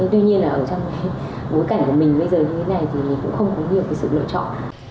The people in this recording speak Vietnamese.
nên tuy nhiên là ở trong bối cảnh của mình bây giờ như thế này thì mình cũng không có nhiều sự lựa chọn